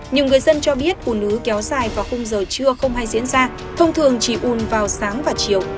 nhiều người dân cho biết ủn ứ kéo xài vào hôm giờ trưa không hay diễn ra thông thường chỉ ủn vào sáng và chiều